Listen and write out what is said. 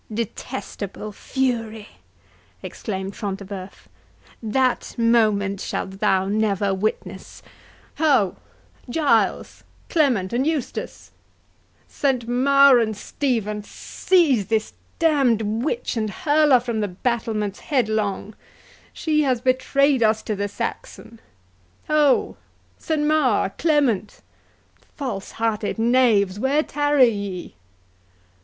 "Detestable fury!" exclaimed Front de Bœuf, "that moment shalt thou never witness—Ho! Giles, Clement, and Eustace! Saint Maur, and Stephen! seize this damned witch, and hurl her from the battlements headlong—she has betrayed us to the Saxon!—Ho! Saint Maur! Clement! false hearted, knaves, where tarry ye?"